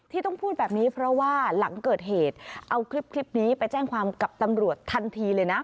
ที่ต้องพูดแบบนี้เพราะว่าหลังเกิดเหตุเอาคลิปนี้ไปแจ้งความกับตำรวจทันทีเลยนะ